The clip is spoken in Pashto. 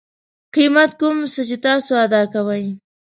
قیمت کوم څه چې تاسو ادا کوئ